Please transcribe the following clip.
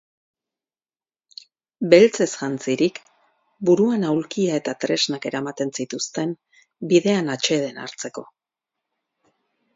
Beltzez jantzirik, buruan aulkia eta tresnak eramaten zituzten, bidean atseden hartzeko.